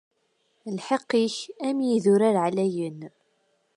Lḥeqq-ik, am yidurar εlayen.